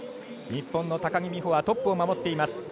日本の高木美帆はトップを守っています。